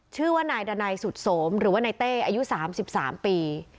ชื่อว่านายดันัยสุดโสมหรือว่านายเต้อายุ๓๓ปี